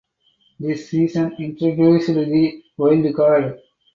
This season introduced the Wild Card.